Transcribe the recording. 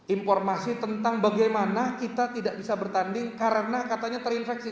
informasi tentang bagaimana kita tidak bisa bertanding karena katanya terinfeksi